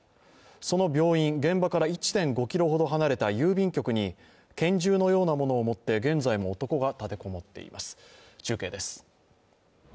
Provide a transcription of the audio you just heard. その病院、現場から１．５ｋｍほど離れた郵便局に拳銃のようなものを持って現在も男が立て籠もっています。